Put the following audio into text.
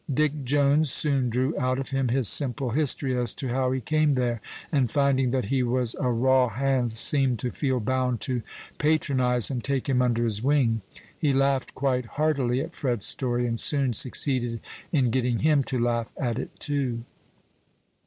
Dick Jones soon drew out of him his simple history as to how he came there, and finding that he was a raw hand, seemed to feel bound to patronize and take him under his wing. He laughed quite heartily at Fred's story, and soon succeeded in getting him to laugh at it too.